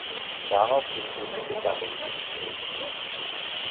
Daraufhin wünschte Gallo ihm Krebs.